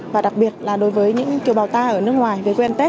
và đặc biệt là đối với những kiều bào ta ở nước ngoài về quên tết